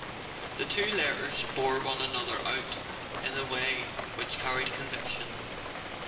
The two letters bore one another out in a way which carried conviction.